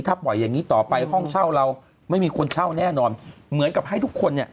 ถ้าปล่อยอย่างงี้ต่อไปห้องเช่าเราไม่มีคนเช่าแน่นอนเหมือนกับให้ทุกคนเนี่ย